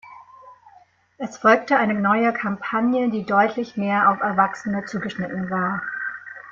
Es folgte eine neue Kampagne, die deutlich mehr auf Erwachsene zugeschnitten war.